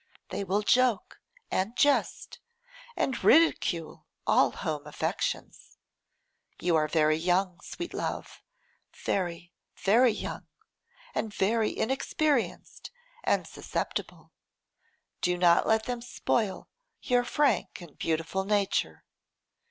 They will joke, and jest, and ridicule all home affections. You are very young, sweet love, very, very young, and very inexperienced and susceptible. Do not let them spoil your frank and beautiful nature.